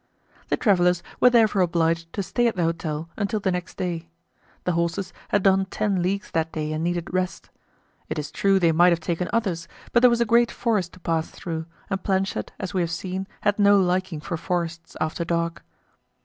The travelers were therefore obliged to stay at the hotel until the next day; the horses had done ten leagues that day and needed rest. It is true they might have taken others, but there was a great forest to pass through and Planchet, as we have seen, had no liking for forests after dark.